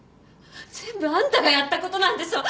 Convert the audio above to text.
全部あんたがやった事なんでしょ？